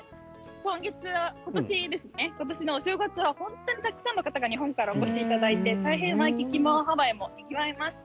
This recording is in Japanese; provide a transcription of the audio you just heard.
今年のお正月は本当にたくさんの方が日本からお越しいただいて大変ワイキキもハワイもにぎわいました。